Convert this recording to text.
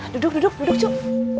duduk duduk duduk cuk